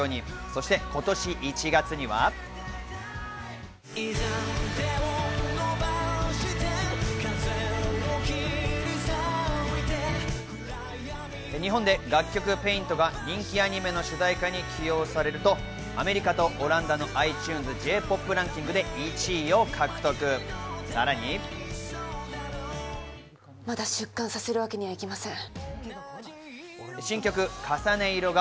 そして今年１月には。日本で楽曲『ＰＡＩＮＴ』が人気アニメの主題歌に起用されると、アメリカとオランダのｉＴｕｎｅｓＪ−ＰＯＰランキングで１位まだ出棺させるわけにはいきません。